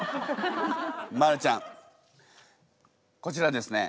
マルちゃんこちらですね